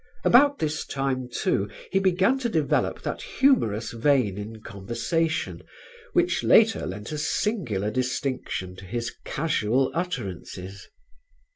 About this time, too, he began to develop that humorous vein in conversation, which later lent a singular distinction to his casual utterances.